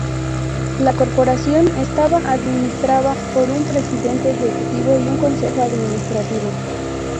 La Corporación estaba administraba por un Vicepresidente Ejecutivo y un Consejo Administrativo.